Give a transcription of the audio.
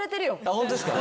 ホントですか？